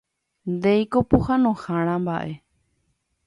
Ndéiko pohãnohára mbaʼe.